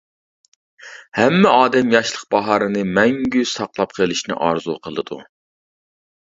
ھەممە ئادەم ياشلىق باھارىنى مەڭگۈ ساقلاپ قېلىشنى ئارزۇ قىلىدۇ.